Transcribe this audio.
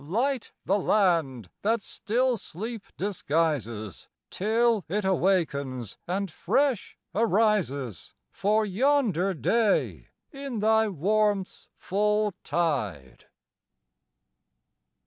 Light the land that still sleep disguises Till it awakens and fresh arises For yonder day in thy warmth's full tide!